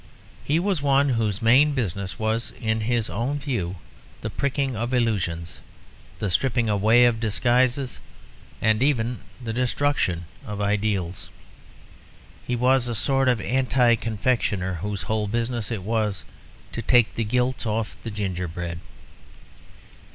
He was one whose main business was, in his own view, the pricking of illusions, the stripping away of disguises, and even the destruction of ideals. He was a sort of anti confectioner whose whole business it was to take the gilt off the gingerbread.